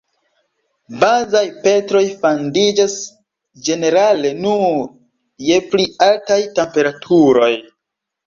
Bazaj petroj fandiĝas ĝenerale nur je pli altaj temperaturoj.